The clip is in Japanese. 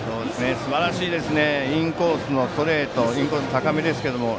すばらしいですね。